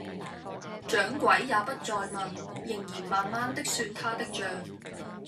掌櫃也不再問，仍然慢慢的算他的賬